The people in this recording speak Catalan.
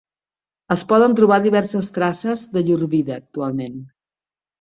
Es poden trobar diverses traces de llur vida actualment.